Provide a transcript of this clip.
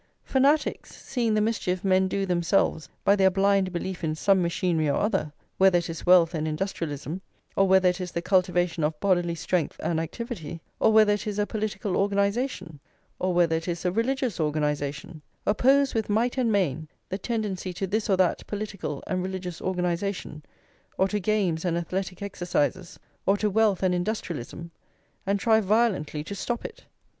Fanatics, seeing the mischief men do themselves by their blind belief in some machinery or other, whether it is wealth and industrialism, or whether it is the cultivation of bodily strength and activity, or whether it is a political organisation, or whether it is a religious organisation, oppose with might and main the tendency to this or that political and religious organisation, or to games and athletic exercises, or to wealth and industrialism, and try violently to stop it.